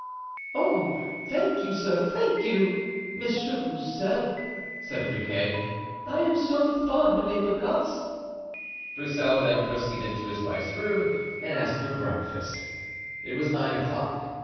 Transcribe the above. "Oh, thank you, sir, thank you, Monsieur Broussel," said Friquet; "I am so fond of apricots!" Broussel then proceeded to his wife's room and asked for breakfast; it was nine o'clock.